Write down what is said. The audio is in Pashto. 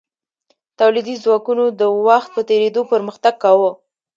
تولیدي ځواکونو د وخت په تیریدو پرمختګ کاوه.